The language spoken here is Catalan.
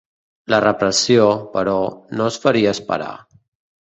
La repressió, però, no es faria esperar.